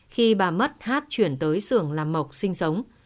khi bà mất hát chuyển tới sưởng làm mộc sinh sống